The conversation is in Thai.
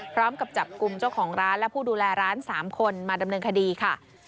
พร้อมกับจับกลุ่มเจ้าของร้านและผู้ดูแลร้าน๓คนมาดำเนินคดีค่ะ